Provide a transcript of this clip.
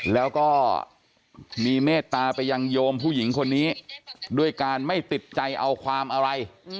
แล้วก็มีเมตตาไปยังโยมผู้หญิงคนนี้ด้วยการไม่ติดใจเอาความอะไร